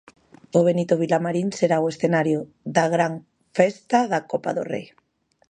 O Benito Villamarín será o escenario da gran festa da Copa do Rei.